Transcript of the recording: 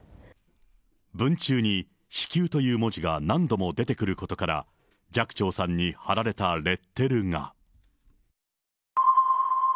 文中に、子宮という文字が何度も出てくることから、寂聴さんに貼られたレッテルが。